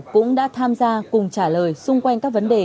cũng đã tham gia cùng trả lời xung quanh các vấn đề